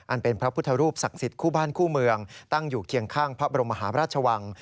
เป็นพระพุทธรูปศักดิ์สิทธิ์คู่บ้านคู่เมืองตั้งอยู่เคียงข้างพระบรมหาพระราชวัง